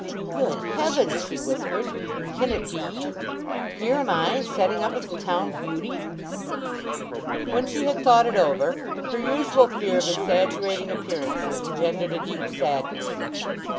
"Good Heaven," she whispered, "can it be? Here am I setting up as the town beauty!" When she had thought it over, her usual fear of exaggerating appearances engendered a deep sadness.